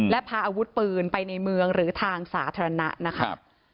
และพาอาวุธปืนไปในเมืองหรือทางสาธารณะนะครับ